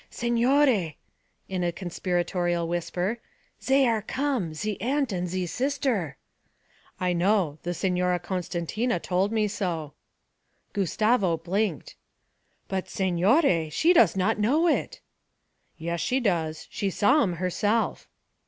'Signore,' in a conspiratorial whisper, 'zay are come, ze aunt and ze sister.' 'I know the Signorina Costantina told me so.' Gustavo blinked. 'But, signore, she does not know it.' 'Yes, she does she saw 'em herself.'